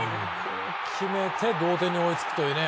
決めて同点に追いつくという。